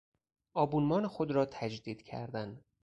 آبونمان خود را تجدید کردن